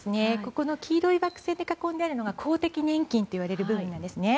黄色い枠線で囲んであるのが公的年金といわれる部分ですね。